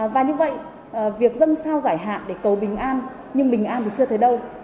và như vậy việc dân sao giải hạn để cầu bình an nhưng bình an thì chưa thấy đâu